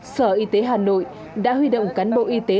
sở y tế hà nội đã huy động cán bộ y tế